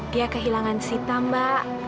dia kehilangan sita mbak